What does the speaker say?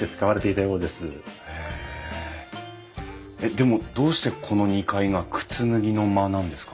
でもどうしてこの２階が靴脱ぎの間なんですか？